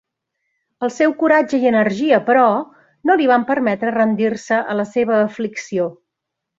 El seu coratge i energia, però, no li van permetre rendir-se a la seva aflicció.